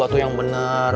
atuh yang bener